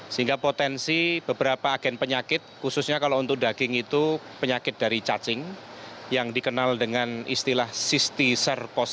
sehingga potensi beberapa agen penyakit khususnya kalau untuk daging itu penyakit dari cacing yang dikenal dengan istilah cystiser